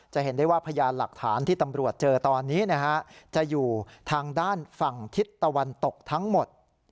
เห็นได้ว่าพยานหลักฐานที่ตำรวจเจอตอนนี้จะอยู่ทางด้านฝั่งทิศตะวันตกทั้งหมด